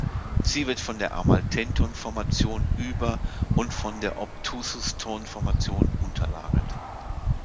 Sie wird von der Amaltheenton-Formation über- und von der Obtususton-Formation unterlagert.